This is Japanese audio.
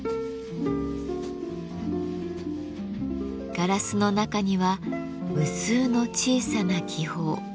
ガラスの中には無数の小さな気泡。